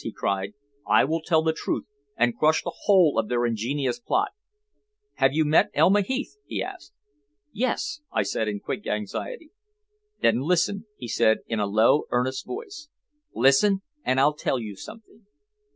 he cried, "I will tell the truth and crush the whole of their ingenious plot. Have you met Elma Heath?" he asked. "Yes," I said in quick anxiety. "Then listen," he said in a low, earnest voice. "Listen, and I'll tell you something.